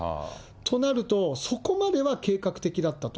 となると、そこまでは計画的だったと。